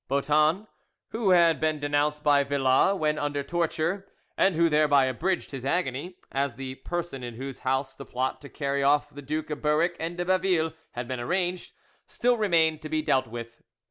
Boeton, who had been denounced by Villas when under torture (and who thereby abridged his agony) as the person in whose house the plot to carry off the Duke of Berwick and de Baville had been arranged, still remained to be dealt with.